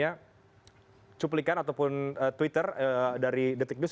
ada cuplikan atau twitter dari detik news